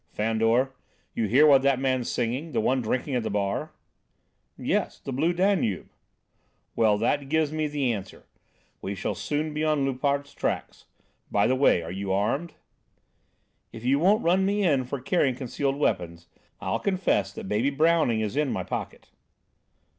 "Fandor, you hear what that man's singing; the one drinking at the bar?" "Yes, 'The Blue Danube.'" "Well, that gives me the answer. We shall soon be on Loupart's tracks. By the way, are you armed?" "If you won't run me in for carrying concealed weapons I'll confess that Baby Browning is in my pocket."